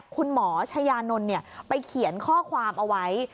คุณหมอชายานนท์ไปเขียนข้อความเอาไว้